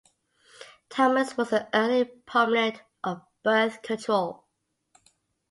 Thomas was an early proponent of birth control.